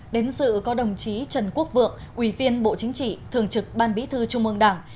đến dự có đồng chí trần quốc vượng ủy viên bộ chính trị thường trực ban bí thư trung ương đảng